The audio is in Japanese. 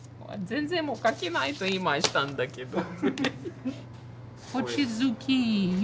全然書けないと言いましたんだけど。